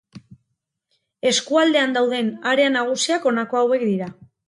Eskualdean dauden area nagusiak honako hauek dira.